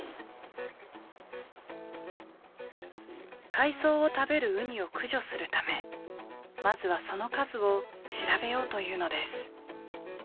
海藻を食べるウニを駆除するためまずはその数を調べようというのです。